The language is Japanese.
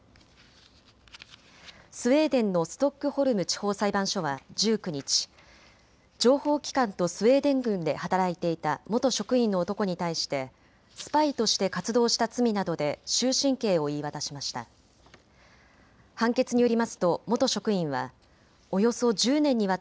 スウェーデンのストックホルム地方裁判所は１９日、情報機関とスウェーデン軍で働いていた元職員の男に対してスパイとして活動した罪などで終身刑を言い渡しました。